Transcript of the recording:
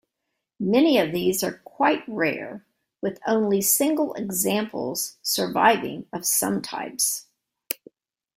Many of these are quite rare, with only single examples surviving of some types.